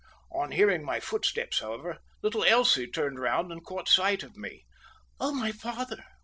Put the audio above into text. On hearing my footsteps, however, little Elsie turned round and caught sight of me. "Oh, my father!"